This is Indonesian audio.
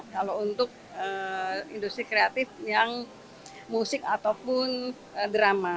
kalau untuk industri kreatif yang musik ataupun drama